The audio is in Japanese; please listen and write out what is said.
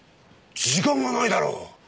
時間がないだろ。